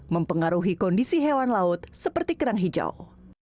mempengaruhi kondisi hewan laut seperti kerang hijau